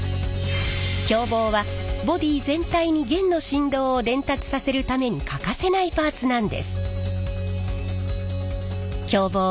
響棒はボディー全体に弦の振動を伝達させるために欠かせないパーツなんです。